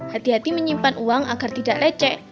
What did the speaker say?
hati hati menyimpan uang agar tidak lecek